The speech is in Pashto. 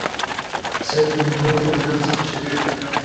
سید په لومړیو کې له درد څخه شکایت نه کاوه.